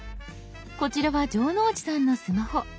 こちらは城之内さんのスマホ。